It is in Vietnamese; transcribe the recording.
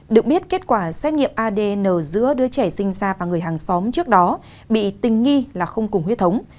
được biết kết quả xét nghiệm adn giữa đứa trẻ sinh ra và người hàng xóm trước đó bị tình nghi là không cùng huyết thống